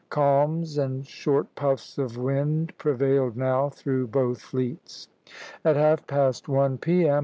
Calms and short puffs of wind prevailed now through both fleets. At half past one P.M.